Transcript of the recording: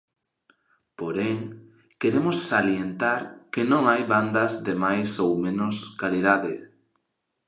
Porén, queremos salientar que non hai bandas de máis ou menos calidade.